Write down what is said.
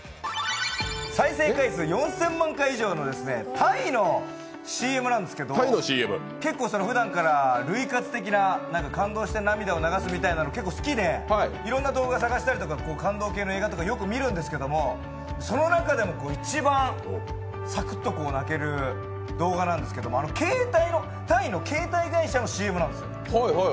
再生回数４０００万回以上のタイのＣＭなんですけど、結構、ふだんから涙活的な感動して涙を流すみたいなのが好きでいろんな動画探したりとか感動系の映画とかよく見るんですけど、その中でも一番サクッと泣ける動画なんですけども、タイの携帯会社のＣＭなんです。